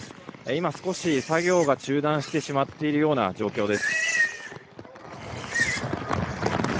今、少し作業が中断してしまっているような状況です。